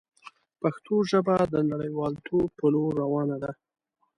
پښتو ژبه د نړیوالتوب په لور روانه ده.